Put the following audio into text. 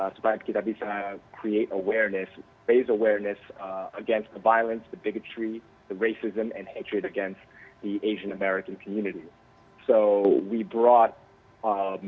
supaya kita bisa menciptakan kesadaran menciptakan kesadaran terhadap kegagalan kegagalan dan kebencian terhadap komunitas asia amerika